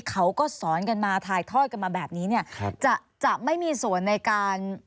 เขาก็สอนกันมาถ่ายถ้อยกันมาแบบนี้จะไม่มีส่วนในการ